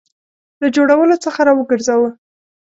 له جوړولو څخه را وګرځاوه.